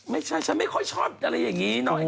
ไม่ใช่ฉันไม่ค่อยชอบอะไรอย่างนี้หน่อย